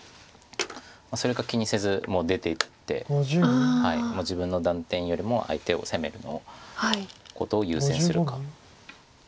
それか気にせずもう出ていって自分の断点よりも相手を攻めることを優先するか。